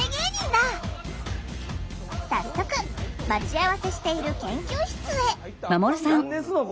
早速待ち合わせしている研究室へ。